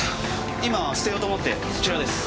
今捨てようと思ってそちらです。